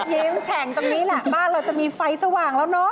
ยิ้มแฉ่งตรงนี้แหละบ้านเราจะมีไฟสว่างแล้วเนาะ